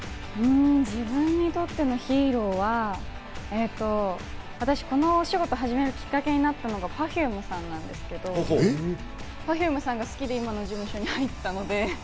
自分にとってのヒーローは、私、このお仕事を始めるきっかけになったのがＰｅｒｆｕｍｅさんなんですけど、Ｐｅｒｆｕｍｅさんが好きで今の事務所に入ったので。